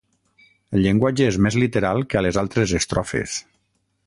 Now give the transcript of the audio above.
El llenguatge és més literal que a les altres estrofes.